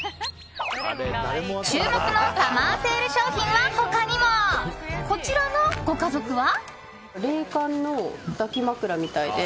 注目のサマーセール商品は他にも。こちらのご家族は。